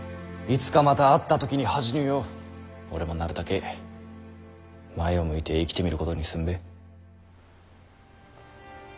いつかまた会った時に恥じぬよう俺もなるたけ前を向いて生きてみることにすんべぇ。